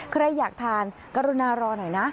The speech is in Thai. ใครอยากทานกรุณารอหน่อยนะ